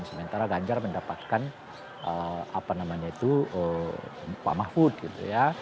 sementara ganjar mendapatkan pak mahfud gitu ya